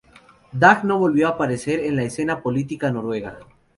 Dag no volvió a aparecer en la escena política noruega.